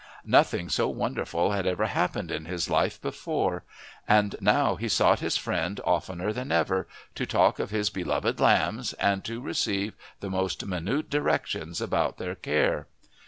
Nothing so wonderful had ever happened in his life before! And now he sought out his friend oftener than ever, to talk of his beloved lambs, and to receive the most minute directions about their care.